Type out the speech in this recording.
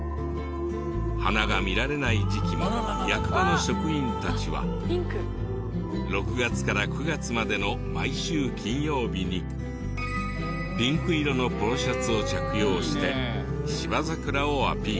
花が見られない時期も役場の職員たちは６月から９月までの毎週金曜日にピンク色のポロシャツを着用して芝桜をアピール。